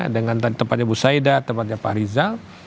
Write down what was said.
dengan tempatnya bu saidah tempatnya pak rizal